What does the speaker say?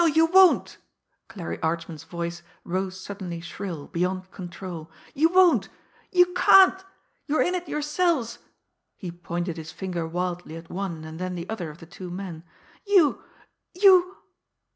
No you won't!" Clarie Archman's voice rose suddenly shrill, beyond control. "You won't! You can't! You're in it yourselves" he pointed his finger wildly at one and then the other of the two men "you you!"